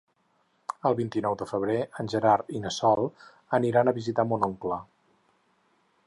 El vint-i-nou de febrer en Gerard i na Sol aniran a visitar mon oncle.